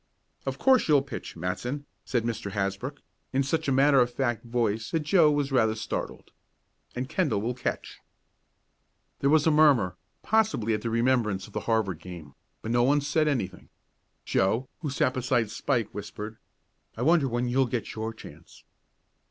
"Of course you'll pitch, Matson," said Mr. Hasbrook, in such a matter of fact voice that Joe was rather startled. "And Kendall will catch." There was a murmur, possibly at the remembrance of the Harvard game, but no one said anything. Joe, who sat beside Spike, whispered: "I wonder when you'll get your chance?"